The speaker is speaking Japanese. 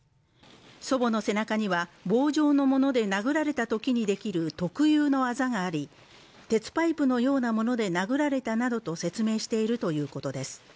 祖母の背中には棒状のもので殴られたときにできる特有のあざがあり、鉄パイプのようなもので殴られたなどと説明しているということです。